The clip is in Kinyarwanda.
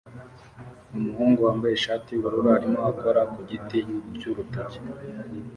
Umuhungu wambaye ishati yubururu arimo akora ku giti cyurutoki